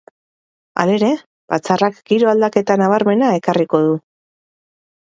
Halere, batzarrak giro aldaketa nabarmena ekarriko du.